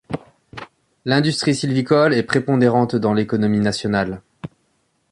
L'industrie sylvicole est prépondérante dans l'économie nationale.